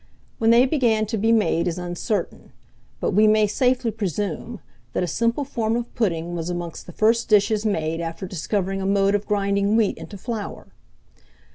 When they began to be made is uncertain; but we may safely presume, that a simple form of pudding was amongst the first dishes made after discovering a mode of grinding wheat into flour.